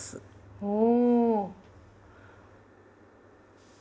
おお！